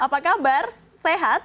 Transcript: apa kabar sehat